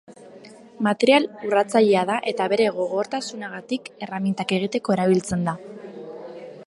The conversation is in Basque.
Material urratzailea da eta bere gogortasunagatik erremintak egiteko erabiltzen da.